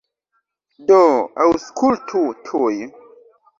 Do, aŭskultu tuj!